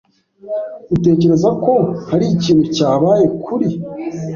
Utekereza ko hari ikintu cyabaye kuri ?